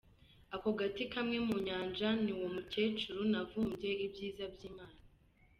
Ako gati kamwe mu Nyanja, ni uwo mukecuru navumbye ibyiza by’Imana.